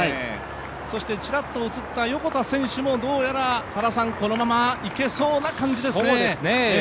そしてちらっと映った横田選手もどうやら原さん、このままいけそうな感じですね。